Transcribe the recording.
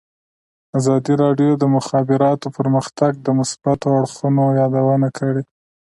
ازادي راډیو د د مخابراتو پرمختګ د مثبتو اړخونو یادونه کړې.